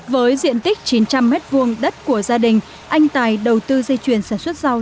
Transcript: với diện tích chín trăm linh m hai đất của gia đình anh tài đầu tư dây chuyền sản xuất rau